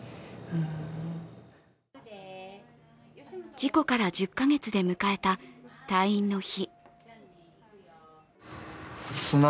事故から１０か月で迎えた退院の日。